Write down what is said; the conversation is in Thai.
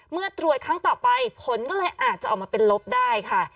เมื่อตรวจครั้งต่อไปผลก็เลยอาจจะออกมาเป็นลบได้ค่ะ